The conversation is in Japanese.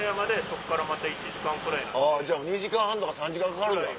じゃあ２時間半とか３時間かかるんだ。